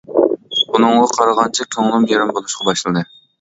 ئۇنىڭغا قارىغانچە كۆڭلۈم يېرىم بولۇشقا باشلىدى.